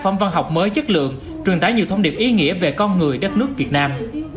phẩm văn học mới chất lượng truyền tải nhiều thông điệp ý nghĩa về con người đất nước việt nam